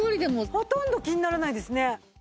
ほとんど気にならないですね。